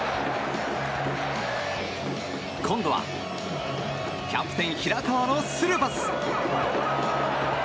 今度はキャプテン、平川のスルーパス。